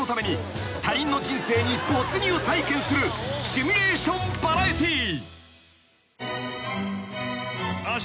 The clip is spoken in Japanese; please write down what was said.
［他人の人生に没入体験するシミュレーションバラエティー］